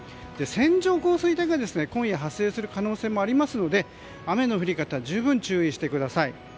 線状降水帯が今夜発生する可能性もありますので雨の降り方に十分、注意してください。